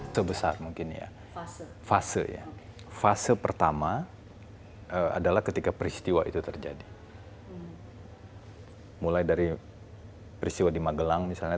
ini fase mungkin tidak berlebihan kita sebut fase skenario